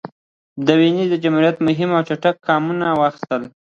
د وینز جمهوریت مهم او چټک ګامونه واخیستل.